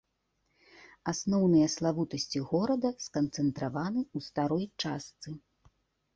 Асноўныя славутасці горада сканцэнтраваны ў старой частцы.